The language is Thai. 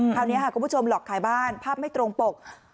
คราวนี้ค่ะคุณผู้ชมหลอกขายบ้านภาพไม่ตรงปก